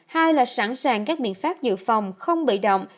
hai là sẵn sàng các biện pháp dự phòng không bị động